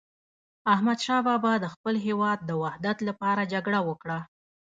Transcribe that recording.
احمد شاه بابا د خپل هیواد د وحدت لپاره جګړه وکړه.